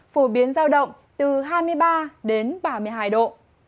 phổ biến giao động từ hai mươi ba đến ba mươi hai độ